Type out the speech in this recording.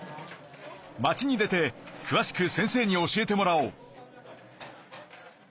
町に出てくわしく先生に教えてもらおう。